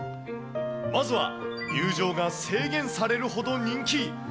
まずは、入場が制限されるほど人気。